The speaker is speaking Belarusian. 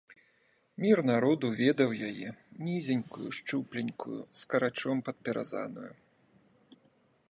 Мір народу ведаў яе, нізенькую, шчупленькую, скарачом падпяразаную.